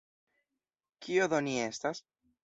Kio do ni estas?